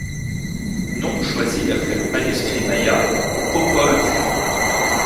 Nom choisi d'après le manuscrit maya Popol Vuh.